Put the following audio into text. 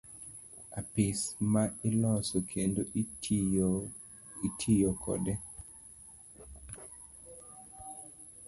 Apis ma ilose kendo itiyo kode.